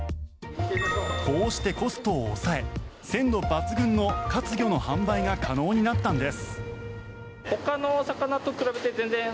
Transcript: こうしてコストを抑え鮮度抜群の活魚の販売が可能になったのです。